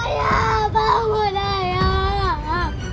ayah bangun ayah